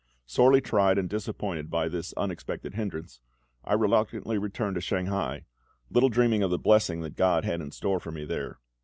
Sorely tried and disappointed by this unexpected hindrance, I reluctantly returned to Shanghai, little dreaming of the blessing that GOD had in store for me there.